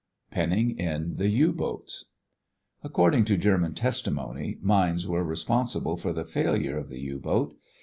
PENNING IN THE U BOATS According to German testimony, mines were responsible for the failure of the U boat.